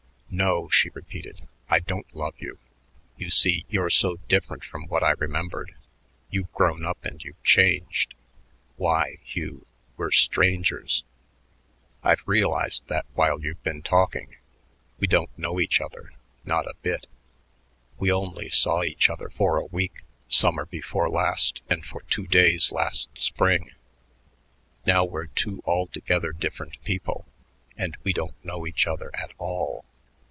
"No," she repeated, "I don't love you. You see, you're so different from what I remembered. You've grown up and you've changed. Why, Hugh, we're strangers. I've realized that while you've been talking. We don't know each other, not a bit. We only saw each other for a week summer before last and for two days last spring. Now we're two altogether different people; and we don't know each other at all."